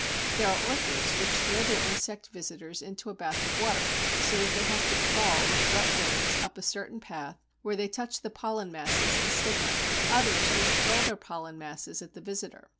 There are orchids which throw their insect visitors into a bath of water, so that they have to crawl with wet wings up a certain path where they touch the pollen masses and stigma; others which hurl their pollen masses at the visitor.